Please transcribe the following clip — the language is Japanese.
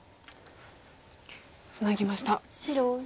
ツナぎました。